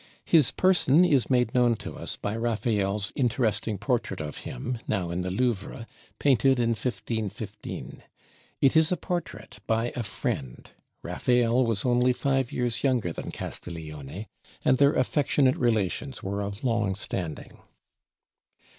His person is made known to us by Raffael's interesting portrait of him, now in the Louvre, painted in 1515. It is a portrait by a friend. Raffael was only five years younger than Castiglione, and their affectionate relations were of long standing.